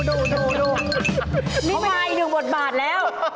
เมื่อกี้ให้หนึ่งบทบาทแล้ว